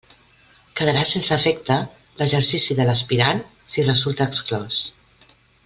Quedarà sense efecte l'exercici de l'aspirant si resulta exclòs.